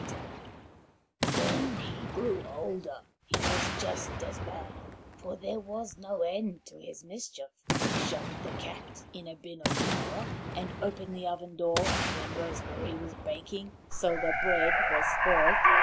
[Illustration: Rose Marie and the Poupican] When he grew older, he was just as bad, for there was no end to his mischief. He shut the cat in a bin of flour, and opened the oven door when Rose Marie was baking, so that the bread was spoilt.